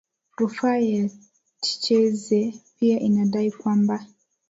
Rufaa ya Tchize pia inadai kwamba